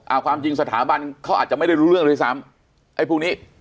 ความจริงสถาบันเขาอาจจะไม่ได้รู้เรื่องด้วยซ้ำไอ้พวกนี้